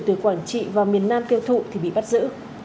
từ quảng trị vào miền nam tiêu thụ thì bị bắt giữ